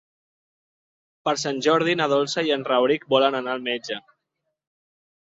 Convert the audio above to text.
Per Sant Jordi na Dolça i en Rauric volen anar al metge.